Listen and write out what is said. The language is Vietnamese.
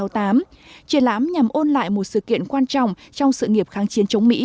triển lãm nhằm ôn lại một sự kiện quan trọng trong sự nghiệp kháng chiến chống mỹ